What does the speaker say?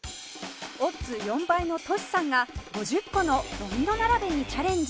オッズ４倍のトシさんが５０個のドミノ並べにチャレンジ